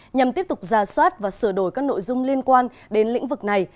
nhằm tiếp tục ra soát và sửa đổi các nội dung liên quan đến lĩnh vực này